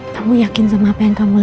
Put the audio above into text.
kamu yakin sama apa yang kamu lakukan